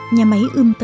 nhà máy dâu tầm dệt lụa